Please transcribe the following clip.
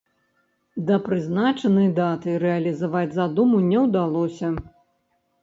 Да прызначанай даты рэалізаваць задуму не ўдалося.